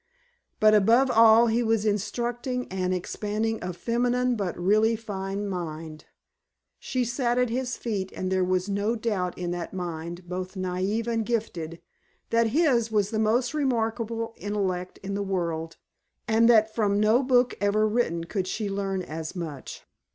But above all he was instructing and expanding a feminine but really fine mind. She sat at his feet and there was no doubt in that mind, both naive and gifted, that his was the most remarkable intellect in the world and that from no book ever written could she learn as much.